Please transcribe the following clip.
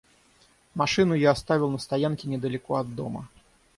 Машину я оставил на стоянке недалеко от дома.